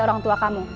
orang tua kamu